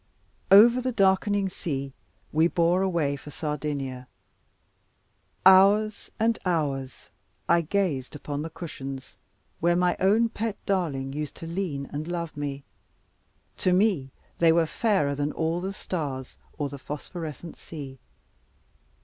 Over the darkening sea, we bore away for Sardinia. Hours and hours, I gazed upon the cushions, where my own pet darling used to lean and love me. To me they were fairer than all the stars, or the phosphorescent sea.